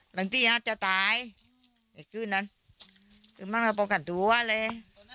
หลังจะตายไม่ขึ้นนั่นมันไม่ปูกั่นตัวเลย